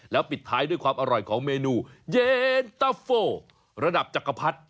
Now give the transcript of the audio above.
แล้วปิดท้ายด้วยความอร่อยของเมนูเย็นตะโฟระดับจักรพรรดิ